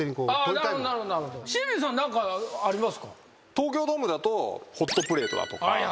東京ドームだとホットプレートだとか。